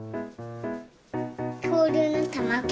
きょうりゅうのたまご。